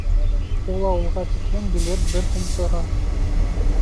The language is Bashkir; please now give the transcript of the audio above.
Ул ауылға тиклем билет бер һум тора.